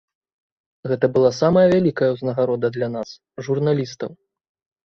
Гэта была самая вялікая ўзнагарода для нас, журналістаў!